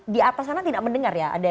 di atas sana tidak mendengar ya